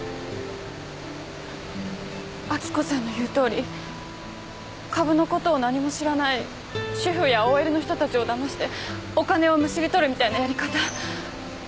明子さんの言うとおり株のことを何も知らない主婦やＯＬの人たちをだましてお金をむしり取るみたいなやり方。